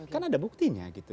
kan ada buktinya gitu